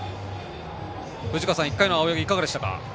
藤川さん、１回の青柳いかがでしたか？